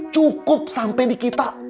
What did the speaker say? cukup sampai di kita